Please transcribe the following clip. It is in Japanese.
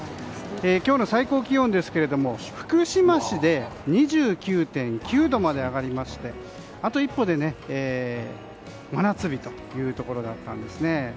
今日の最高気温ですが福島市で２９．９度まで上がりましてあと一歩で真夏日というところだったんですね。